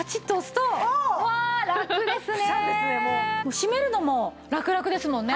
閉めるのもラクラクですもんね。